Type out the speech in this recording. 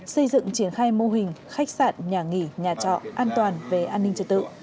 xây dựng triển khai mô hình khách sạn nhà nghỉ nhà trọ an toàn về an ninh trật tự